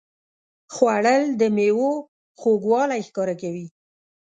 خوړل د میوو خوږوالی ښکاره کوي